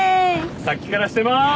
さっきからしてまーす！